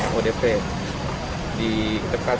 kota bogor mencapai dua puluh dua orang